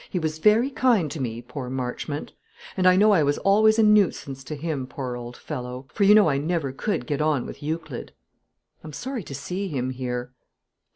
He was very kind to me, poor Marchmont; and I know I was always a nuisance to him, poor old fellow; for you know I never could get on with Euclid. I'm sorry to see him here.